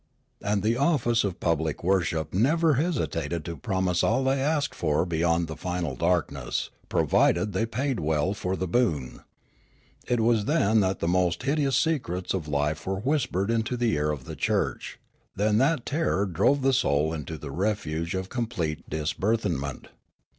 And the office of public worship never hesitated to promise all they asked for beyond the final darkness, provided they paid well for the boon. It was then that the most hideous secrets of life were whispered into the ear of the church, then that terror drove the soul into the refuge of complete dis burthenraent.